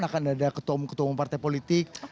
akan ada ketemu ketemu partai politik